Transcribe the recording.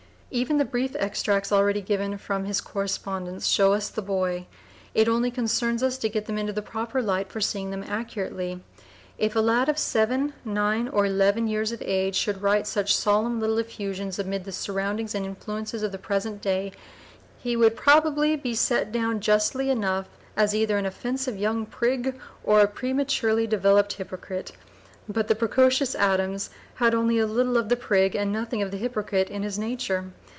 Even the brief extracts already given from his correspondence show us the boy; it only concerns us to get them into the proper light for seeing them accurately. If a lad of seven, nine, or eleven years of age should write such solemn little effusions amid the surroundings and influences of the present day, he would probably be set down justly enough as either an offensive young prig or a prematurely developed hypocrite. But the precocious Adams had only a little of the prig and nothing of the hypocrite in his nature.